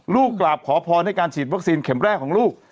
กราบขอพรให้การฉีดวัคซีนเข็มแรกของลูก